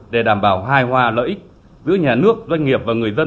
để đảm bảo hài hòa lợi ích giữa nhà nước doanh nghiệp và người dân